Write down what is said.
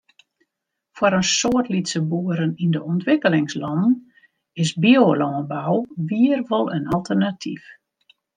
Foar in soad lytse boeren yn de ûntwikkelingslannen is biolânbou wier wol in alternatyf.